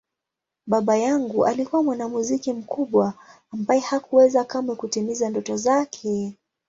Baba yangu alikuwa mwanamuziki mkubwa ambaye hakuweza kamwe kutimiza ndoto yake.